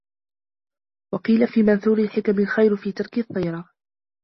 وَقِيلَ فِي مَنْثُورِ الْحِكَمِ الْخَيْرُ فِي تَرْكِ الطِّيَرَةِ